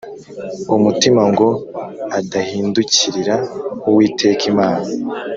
umutima ngo adahindukirira Uwiteka Imana